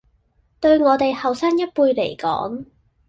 對我哋後生一輩嚟講